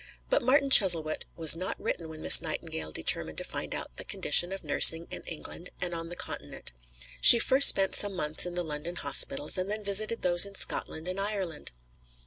But "Martin Chuzzlewit" was not written when Miss Nightingale determined to find out the condition of nursing in England and on the Continent. She first spent some months in the London hospitals, and then visited those in Scotland and Ireland.